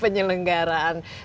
penyelenggaraan dari basketball